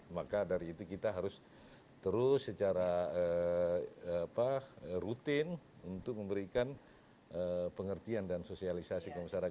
maka dari itu kita harus terus secara rutin untuk memberikan pengertian dan sosialisasi ke masyarakat